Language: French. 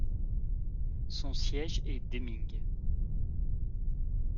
Son siège est Deming.